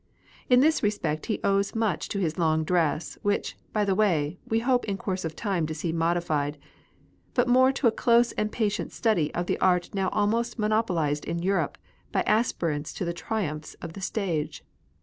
In this respect he owes much to his long dress, which, by the way, we hope in course of time to see modified ; but more to a close and patient study of an art now almost monopolised in Europe by aspirants to the triumphs of the stage.